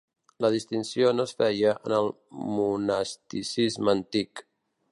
La distinció no es feia en el monasticisme antic.